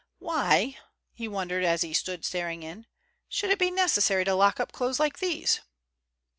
"Why," he wondered as he stood staring in, "should it be necessary to lock up clothes like these?"